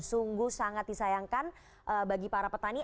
sungguh sangat disayangkan bagi para petani